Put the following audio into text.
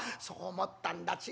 「そう思ったんだ。